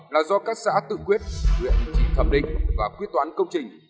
là do các xã tự quyết huyện chỉ thẩm định và quyết toán công trình